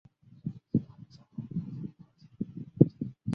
千岁是东京都墨田区的町名。